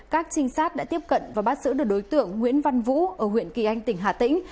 các trinh sát đã tiếp cận và bắt giữ được đối tượng nguyễn văn vũ ở huyện kỳ anh tỉnh hà tĩnh